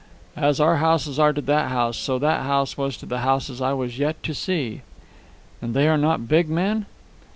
"As our houses are to that house, so that house was to the houses I was yet to see." "And they are not big men?"